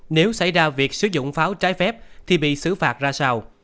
nếu xảy ra việc sử dụng pháo trái phép thì bị xử phạt ra sao